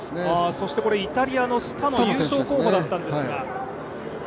そしてイタリアのスタノ優勝候補だったのですが。